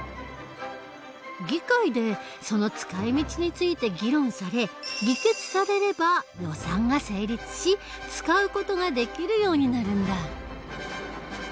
議会でその使い道について議論され議決されれば予算が成立し使う事ができるようになるんだ。